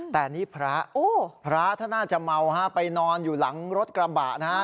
แต่นี่พระพระท่านน่าจะเมาฮะไปนอนอยู่หลังรถกระบะนะฮะ